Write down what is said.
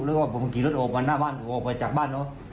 แล้วผมกี่รถอบไปหน้าบ้านถึงออกไปจากบ้านนะครับ